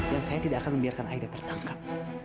dan saya tidak akan membiarkan aida tertangkap